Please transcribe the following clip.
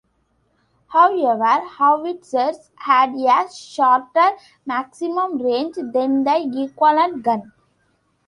However, howitzers had a shorter maximum range than the equivalent gun.